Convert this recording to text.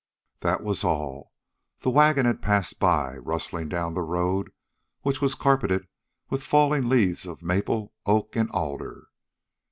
That was all. The wagon had passed by, rustling down the road, which was carpeted with fallen leaves of maple, oak, and alder.